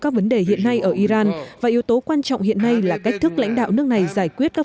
các vấn đề hiện nay ở iran và yếu tố quan trọng hiện nay là cách thức lãnh đạo nước này giải quyết các